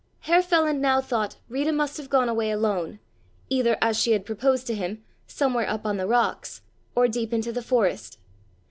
Herr Feland now thought Rita must have gone away alone, either as she had proposed to him, somewhere up on the rocks, or deep into the forest.